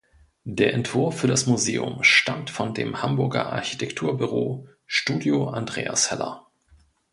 Der Entwurf für das Museum stammt von dem Hamburger Architekturbüro Studio Andreas Heller.